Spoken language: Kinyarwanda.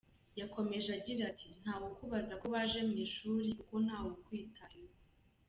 Yakomeje agira ati “Ntawe ukubaza ko waje mu ishuri kuko ntawe ukwitayeho.